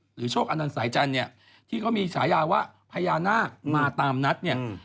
โชคอนันสายจันทร์เนี่ยที่เขามีฉายาว่าพญานาคมาตามนัดเนี่ย